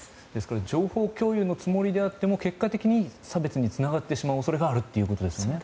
情報共有のつもりであっても結果的に差別につながってしまう恐れがあるということですよね。